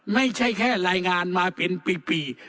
ไม่ใช่แค่รายงานมาเป็นปี